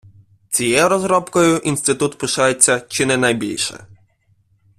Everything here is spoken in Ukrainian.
Цією розробкою інститут пишається чи не найбільше.